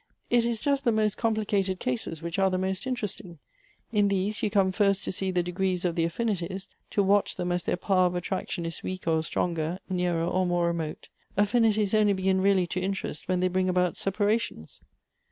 It is just the most complicated cases which are the most interesting. In these you cofne first to see the degrees of the affinities, to watch them as their power of attraction is weaker or stronger, nearer or more remote. Affinities only begin really to interest when they bring about separations.''